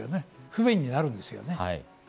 不便になるんですよね。